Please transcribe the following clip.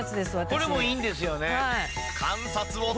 「これもいいんですよね」